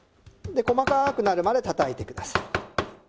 細かくなるまで叩いてください。